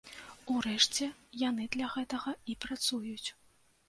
Урэшце, яны для гэтага і працуюць.